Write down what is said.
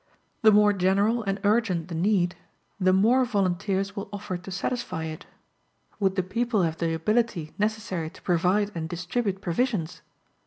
The more general and urgent the need, the more volunteers will offer to satisfy it. Would the people have the ability necessary to provide and distribute provisions?